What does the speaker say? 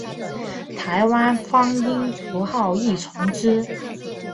台湾方音符号亦从之。